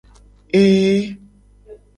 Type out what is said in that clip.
Ee.